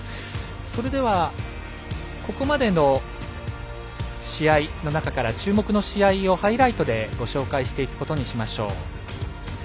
それではここまでの試合の中から注目の試合をハイライトでご紹介していくことにしましょう。